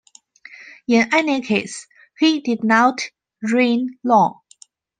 In any case, he did not reign long.